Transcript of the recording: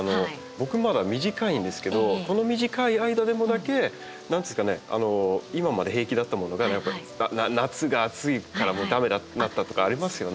僕まだ短いんですけどこの短い間でも何ていうんですかね今まで平気だったものが夏が暑いからもう駄目になったとかありますよね。